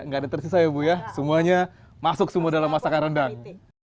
nggak ada tersisa ya bu ya semuanya masuk semua dalam masakan rendang